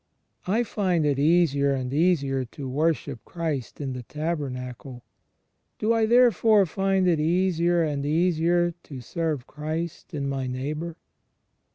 I find it easier and easier to worship Christ in the Tabernacle: do I therefore find it easier and easier to serve Christ in my neighbour?